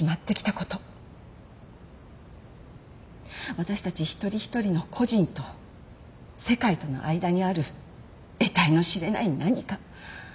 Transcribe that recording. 私たち一人一人の個人と世界との間にあるえたいの知れない何か。